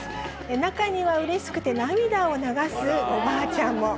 中にはうれしくて涙を流すおばあちゃんも。